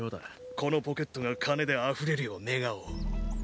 このポケットが金であふれるよう願おう。